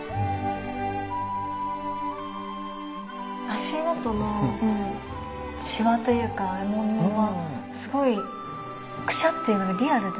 足元のしわというか衣紋がすごいくしゃっていうのがリアルですよね。